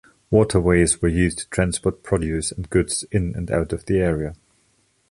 Waterways were used to transport produce and goods in and out of the area.